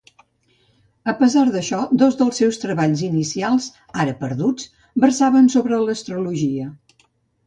A pesar d'això dos dels seus treballs inicials, ara perduts, versaven sobre l'astrologia.